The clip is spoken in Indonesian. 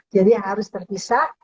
jadi harus terpisah